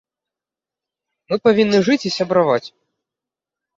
Мы павінны жыць і сябраваць.